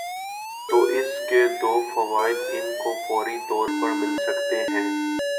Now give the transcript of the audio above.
تو اس کے دو فوائد ان کو فوری طور پر مل سکتے ہیں۔